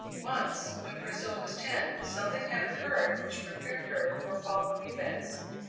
Once, when Priscilla was ten, something had occurred which prepared her for following events.